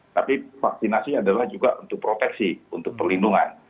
tapi vaksinasi adalah juga untuk proteksi untuk perlindungan